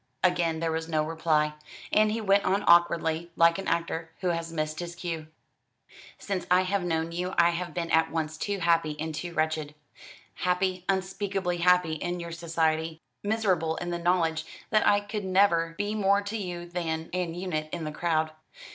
Again there was no reply; and he went on awkwardly, like an actor who has missed his cue. "Since I have known you I have been at once too happy and too wretched. Happy unspeakably happy in your society; miserable in the knowledge that I could never be more to you than an unit in the crowd."